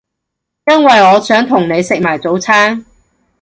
因為我想同你食埋早餐